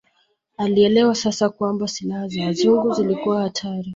Alielewa sasa kwamba silaha za Wazungu zilikuwa hatari